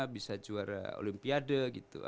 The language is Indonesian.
bisa juara olimpiade gitu